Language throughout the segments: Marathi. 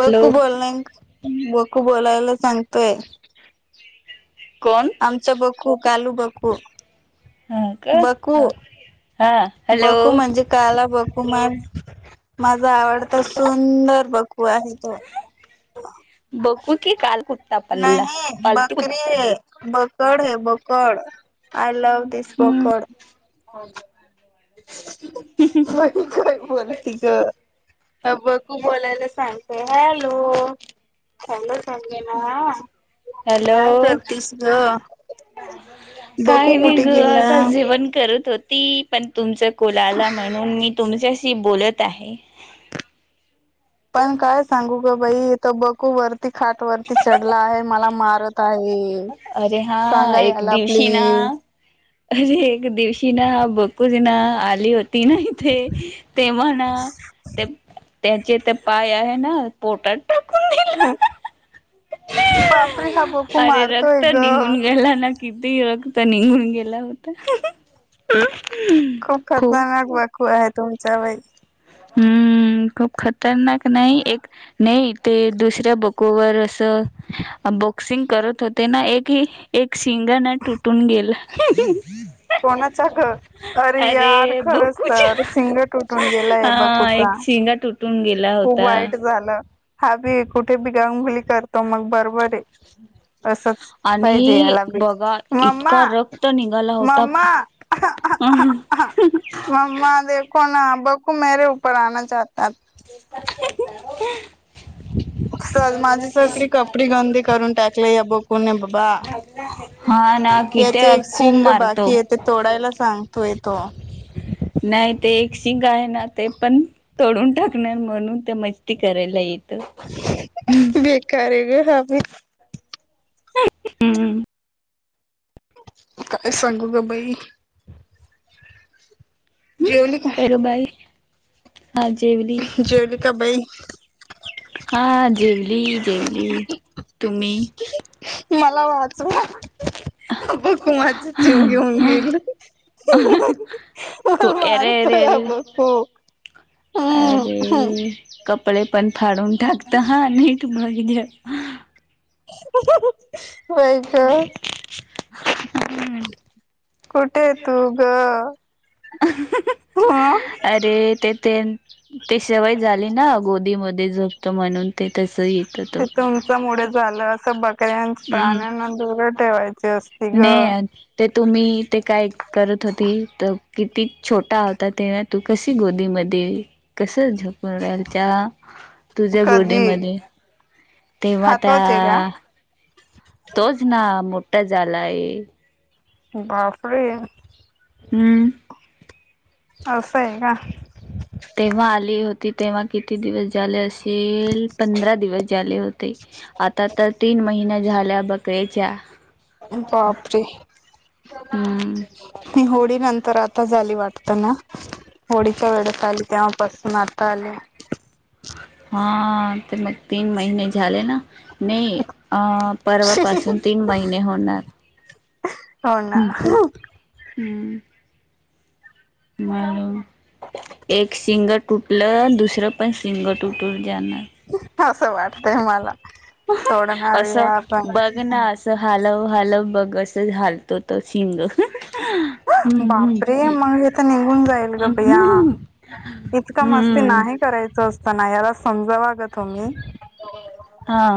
बरकू बोल ना बकू बोलायला सांगतोय. कोण आमच बकु. खू कालू बकू हा का बकू हा हॅलो बकू म्हणजे काला बकू मग मझा आवड सुंदर बकू आहे तो. बघू की काल कुत्ता पल्ला नाही पालतू कुत् बकरी है बकड है बक [unintelligible] आय लव दिस हम्म बकड म काय बोलती ग? अ बकू बोलायला सांगते हॅलो चांगल सांगेल. हॅलो ग काही बकू नाही कुठे घ. आता गेला जेवण करत होत ती पण तुमच कुलाला म्हणून मी तुमच्या ती बोलत आहे. पण काय सांगू ग बाई इथ बकू वरती खाट वरती चढला आहे. मला मारत आहे. अरे हा. सांगा एक याला दिवशी ना, प्लीज अरे एक दिवशी ना बकू [unintelligible] होती ना हिथे तेव्हा ना ते त्याचे ते पाय आहे ना पोटात टाकून दि हां. अरे मारतोय रक्त ग. निघुन गेला ना किती र निघून गेल होत. खूप खतरनाक [unintelligible] [unintelligible] तुमच [unintelligible] हम्म खूप खतरनाक नाही एक नाही ते दुसऱ्या बकोवर असं बॉक्सिंग करत होते ना. एकही एक शिंगण तुटून गेलं. [unintelligible] कोणाचा ख अरे यार खरंच तर सिंग तुटून गेलय. हा एक शिंगा तुटून गेला खूप होता. वाईट झालं. हा. हा. बे कुठे बि गा उंगली करतो. मग बरोबरए. आणि बघा मम्मा इतका रक्त निघाला होत मम्मा. [unintelligible] मम्मा देघोना. बकू मेरे उपर आना चहता. [unintelligible] स माझी सक्री कपडी गंदी करून टाकले या बकुने बाबा. हा ना किती याचे एक खूप शिंग बाकी मारतो. येते तोडायला सांगतोय. तो नाही. ते एक शिंग आहे ना ते पण तोडून टाकणार म्हणून मस्ती कराला येत हम्म [inaudible] बेकार आहे ग हा भी [unintelligible] हम्म काय सांगू ग बाई? जेवली का? अज जेवली जेवली का बाई [unintelligible] हा जेवली जेवली तुम्ही? [inaudible] मला वाचवा आ.. हा आह. बघू माझा जीव घेऊन गेल आहा.. मला [unintelligible] येरे येरे मारतोय हा अरे बघू. हम्म हम्म अरे कपडे पण फाडून टाकत हा नीट बघ ना हं हंं हंं [inaudible] होय ग [inaudible] कुठेय तू ग? ह अरे तेथ ते सवय झाली ना गोदी मध ते जपतो म्हणून ते तस येत तो ते तुमच मुळे झालं असं बकऱ्यां हम्म प्राण्यांना दूर ठेवाय नाही ते तुम्ही ते काय करत होती तर? किती छोटा होता. तेव्हा तू कस गोदीमध्ये कसं झोपून राहायच्या. तुझ्या कधी गोडीमध्ये तेव्हा त्या.. हातोच आहे का तोच ना मोठा झालाय बापरे! हम्म अस आहे का? तेव्हा आले हो तेव्हा किती दिवस झाले असेल, पंधरा दिवस झाले होते. आता तर तीन महिन्या झाल्या बकऱच्या. बापरे! हम्म [unintelligible] ही होळी नंतर आता झाली वाटते ता ना होडीच्या वेळेत आली तेव्हापासून आता आले. हा ते मग तीन महिने झाले ना. नाही अं परवापासून तीन महिने होणार. हो ना हम्म [unintelligible] मॅडम एक शिंग तुटलं दुसरं, पण शिंग तुटून जाणार. असं वाटतंय मला? सोडणारे असं या पण बघ ना असं. हलव हलव, बघ असं हलतो तो शींग. बापरे! मग हेत इथून निघून जाईल गं बया. इतक मस्ती नाही करायच असं. पण ना ह्याला समजवा गं तुम्ही. हा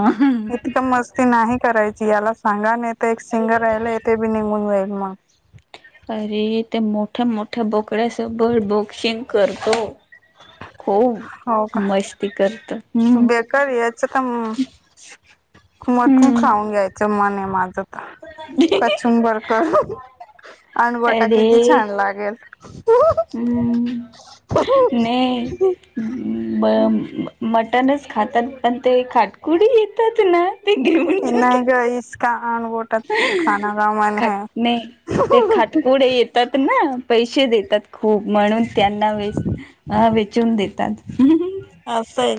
इतकं मस्ती नाही करायची याला सांगा नेत. ते एक सिंगल राहिल ते बी निघून जाईन. म्ह अरे! ते मोठ्या मोठ्या बोकड्यासबर बोक. शिंग करतो. खूप, मस्ती कर. बेकरी याच का मग, मटून हम्म खाऊन घ्यायचं मने. माझ. कचुंबर कर, आंबटा किती अरे छान लागेल? हम्म नाही टणच खातात पण, ते खाटकुडी येतात ना, ते घेऊन नाही जातात. ग खात नाही ते खाटकुडे येतात ना [unintelligible] पैसे देतात खूप म्हणून त्यांना वेच, वेचून देतात.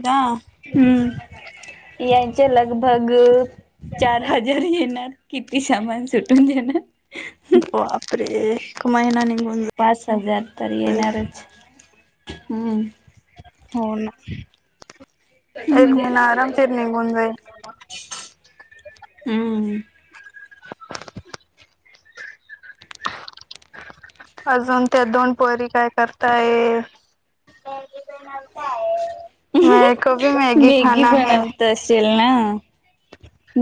[unintelligible] हम्म यांचे लग. बग. चार हजार येणार, किती सामान सुटून जाणार. केव्हा येणार आहे मी? पाच हजार तरी येणारच. हम्म. हो ना. एक महिना आराम, फिर निघून जाईन. हम्म अजून त्या दोन पोरी काय करताहेत. [unintelligible] [unintelligible] मेरे को भी मॅगी खाना है. नाय,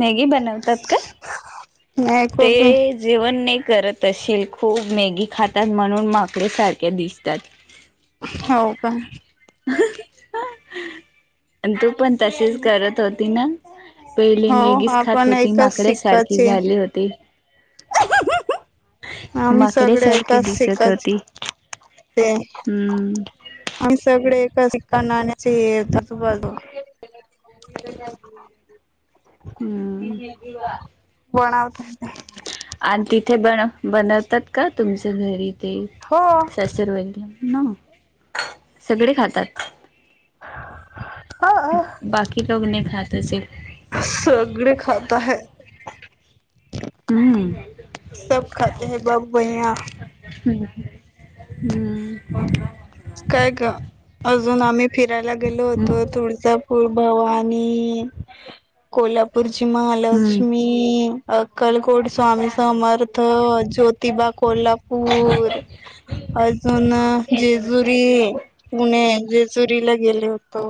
मॅगी बनवतात का? मेरे को ते भी जेवन ने. करत असेल खूप मॅगी खातात म्हणून माकडे सारख्या दिसतात. हो का [unintelligible] अन् तू पण तसेच करत होत. तिन पहिले हो मॅगीच खात आपण होती. एकाच माकड्या साडखी शिक्काचे झाली होती. [unintelligible] आम्ही माकड्या सगडे सारखी एकाच दिसत शिकाच होती. ते हम्म आम्ही सगळे एक शिक्का नाण्याच्या [unintelligible] बाजू [unintelligible] हुं [unintelligible] बणवतांना आण तिथे बनव बनवतात का तुमच घरी ते हो सासर वैद्य ना सगडे खातात बाकी कबून नाय खात तसे सगळेे खात आहेत. हम्म सब खाते है बाबु भैया हुं काय ग अजून आम्ही फिरायला गेलो होतो. तुडजा कुळभवानी कोल्हापूर ची हम्म महालक्ष्मी अक्कलकोट स्वामी समर्थ त ज्योतबा कोल्हापूर अजून जेजू री पुणे जेजूरीला गेले होतो.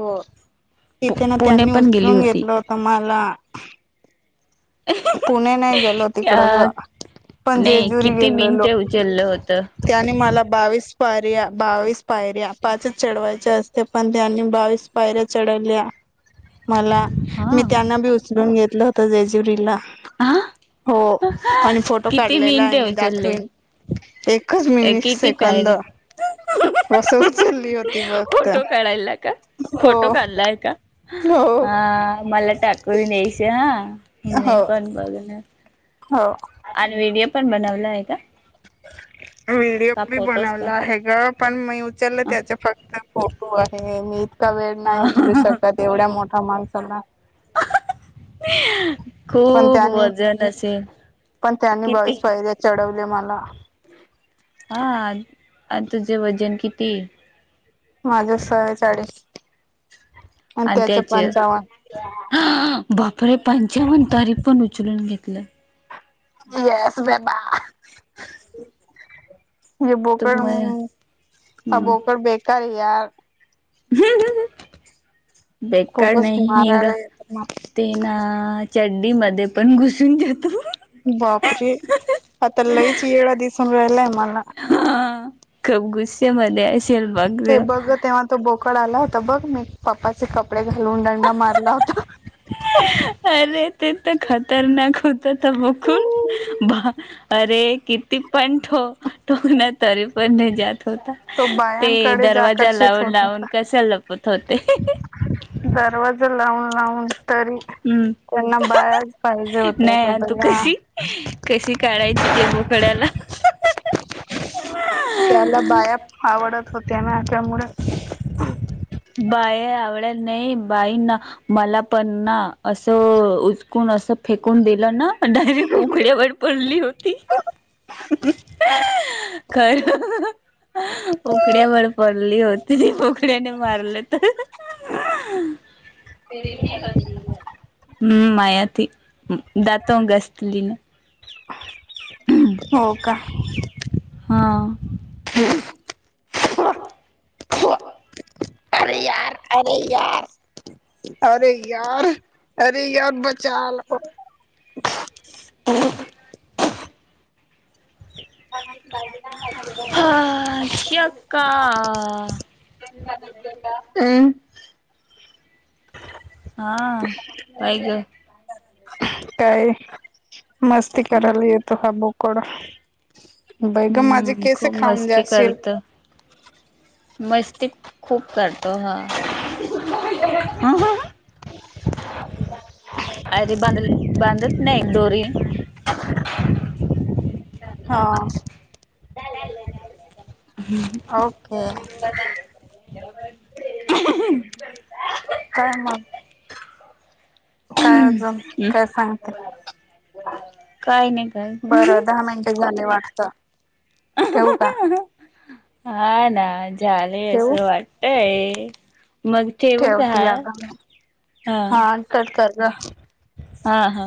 पु तिथे ना पुणे त्यांनी पण गेली उचलून होती. घेतलं होत मला. पुणे नाही गेलो तिकड ग अ पण नाही जेजुरी किती गेलेलो मिनिटे उचललं होतं. त्याने मला बावीस पारया बावीस पायऱ्या पाचच चढवायच्या असते पण त्यांनी बावीस पायऱ्या चढवल्या. मला हा. मी त्यांना बी उचलून घेत ल होत जेजु जुरिला हा हो आणि फोटो किती काढलेला आहे मिनिटे मी उचलले? दाखवीन. एक किती असं उचलली होती [unintelligible] फक्त फोटो काढायला का? हो फोटो काढलाय का? हो ह -मला टाकू देयचे हा हम् नाही हो पण बघन हो. आणि व्हिडिओ पण बनवलाय का? व्हिडिओ का बी फोटोच का? बनवला आहे ग, पण मी उचललं त्याच्या फक्त फोन- तो आहे मी- वेळ नाही उचलू शकत एवढ्या मोठा माल- [unintelligible] [unintelligible] पण खूप त्यानी वजन असेल किती? ल्या मला. हा, तुझे वजन किती? माझ सेहेचालीस - आणि त्याचे -अं बापरे! पंचावन तरी पण उचलून घेत- आपलं. येस - बा- हे तर बोकरळ मग हहा बोकद बेकार आहे. यार- [inaudible] बेकार खूपच नाही हिंग मारायला येत. ते ना चड्डी मध्ये पण घुसून जातो बापरे! हा त लईच येडा दिसून राहिलाय मला. खूप गुस्सेमध्ये आहे. हे बघ -तेव्हा तो बघ- कळाला होता बघ म पप्पाचे कप- अरे! ते तर, खतरनाक होत ते बोकूूड. अरे! किती पण ठोक ठोक ना तरी- पण नाई जात. हो का? तो ते बायांकडेच दरवाजा आकर्षित लावून होत होता. लावून कश लपत होते. दरवाजा लावून लावून- तरी हम्म -त्यांना बायाच पाहिजे नाही तू होत्या कशी कशी काढायची ते बोकड्याला [unintelligible] त्यामुळेच - बाय आवडत नाही, बाई ना मला पण ना असं उचकून असं फेकून दिलं ना डायरेक्ट उकड्यावर पडली होती खर उकड्यावर पडली होती उकड्या- मारले तर- [unintelligible] हम् माया त दातो घसली न. हो का? हां - हम् हा [unintelligible] अरे यार अरे [unintelligible] [unintelligible] हा शक्का हम् हा पाय ग काय? मस्ती हम्म कराल येतो हा बो कोड हम्म, खूप मस्ती करतो. मस्ती खूप करतो हा अ रे बांधल बांध नाही दोरी हा ओके हम्म काय मग हम्म काय अजून काय सांगते? काय नाही काय बरं दहा मिनट झाले वाट [inaudible] ठेऊ का? हा हा झाले ठेवू? असं वाटतय. हे ठेवती आता हा, कट कर. जा हा हा